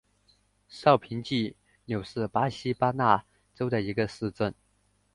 绍平济纽是巴西巴拉那州的一个市镇。